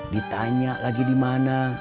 ditanya lagi dimana